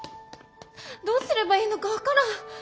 どうすればいいのか分からん！